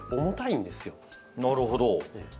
なるほど。